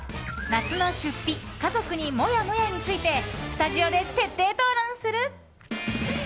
夏の出費家族にモヤモヤについてスタジオで徹底討論する。